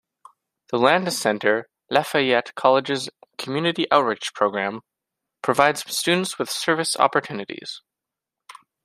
The Landis Center, Lafayette College's community outreach program, provides students with service opportunities.